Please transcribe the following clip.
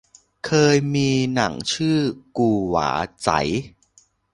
เคยมีหนังชื่อกู่หว่าไจ๋